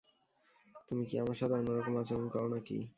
তুমি কি আমার সাথে অন্যরকম আচরণ করো নাকি?